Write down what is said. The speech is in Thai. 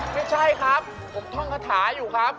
ไม่ใช่ครับผมท่องคาถาอยู่ครับ